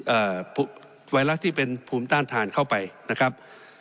ไวรัสที่เป็นภูมิต้านทานเข้าไปนะครับ